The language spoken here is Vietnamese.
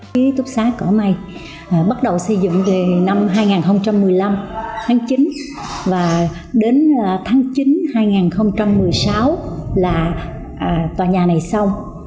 ký túc xá cỏ mây bắt đầu xây dựng từ năm hai nghìn một mươi năm tháng chín và đến tháng chín hai nghìn một mươi sáu là tòa nhà này xong